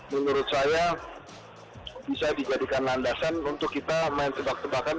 menurut saya bisa dijadikan landasan untuk kita main tebak tebakan